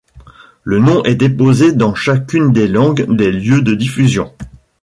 Le nom est déposé dans chacune des langues des lieux de diffusion.